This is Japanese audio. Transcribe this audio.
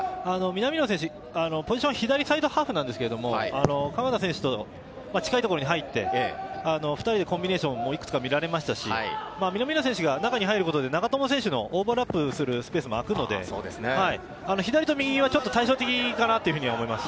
南野選手、ポジション左サイドハーフなんですけど、鎌田選手と近いところに入って、２人でコンビネーション、いくつか見られましたし、南野選手が中に入ることで長友選手のオーバーラップするスペースも空くので、左と右はちょっと対象的かなというふうに思います。